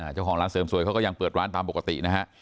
เจ้าของร้านเสริมสวยเขาก็ยังเปิดร้านตามปกตินะฮะ